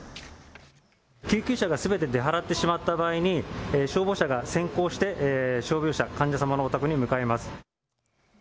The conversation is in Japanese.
救急車がすべて出払ってしまった場合に消防車が先行して傷病者、患者様のお宅に伺います。